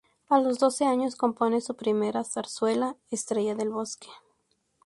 A los doce años compone su primera zarzuela: "Estrella del Bosque".